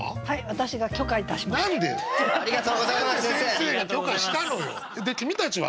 はい。